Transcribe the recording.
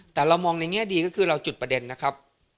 แต่เรามองในแง่ดีก็คือเราจุดประเด็นนะครับ